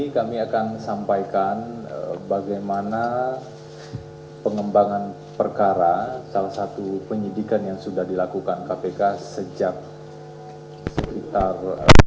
kami akan sampaikan bagaimana pengembangan perkara salah satu penyidikan yang sudah dilakukan kpk sejak sekitar